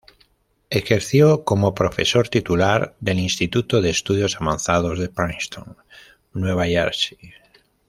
Ejerció como profesor titular del Instituto de Estudios Avanzados de Princeton, Nueva Jersey.